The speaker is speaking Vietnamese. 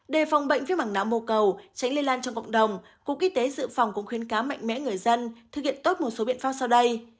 đề phòng bệnh viêm mảng não mô cầu tránh lây lan trong cộng đồng cục y tế dự phòng cũng khuyến cáo mạnh mẽ người dân thực hiện tốt một số biện pháp sau đây